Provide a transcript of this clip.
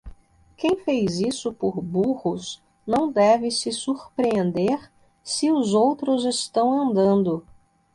Quem fez isso por burros não deve se surpreender se os outros estão andando.